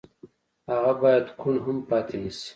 هغه بايد کوڼ هم پاتې نه شي.